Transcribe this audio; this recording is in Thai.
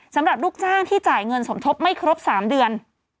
สำหรับลูกจ้างที่จ่ายเงินสมทบไม่ครบ๓เดือน